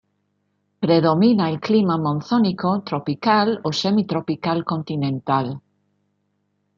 Predomina el clima monzónico, tropical o semitropical continental.